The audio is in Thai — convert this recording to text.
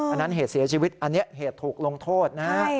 อันนั้นเหตุเสียชีวิตอันนี้เหตุถูกลงโทษนะฮะ